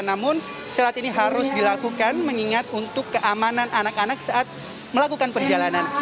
namun selat ini harus dilakukan mengingat untuk keamanan anak anak saat melakukan perjalanan